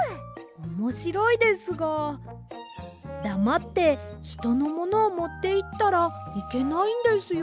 おもしろいですがだまってひとのものをもっていったらいけないんですよ。